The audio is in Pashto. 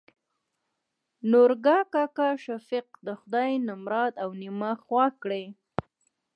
نورګا کاکا : شفيق د خداى نمراد او نيمه خوا کړي.